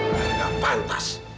karena gak pantas